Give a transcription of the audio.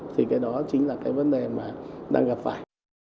thì cái đó chính là cái vấn đề mà đang gặp phải